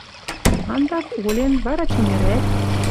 Андак олен, вара чӹньӹрӓк.